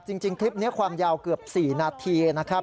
จริงคลิปนี้ความยาวเกือบ๔นาทีนะครับ